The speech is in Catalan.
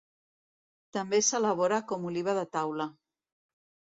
També s'elabora com oliva de taula.